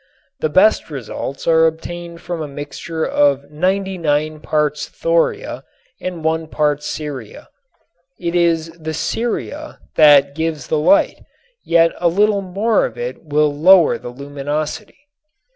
The best results are obtained from a mixture of 99 parts thoria and 1 part ceria. It is the ceria that gives the light, yet a little more of it will lower the luminosity.